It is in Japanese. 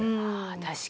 確かに。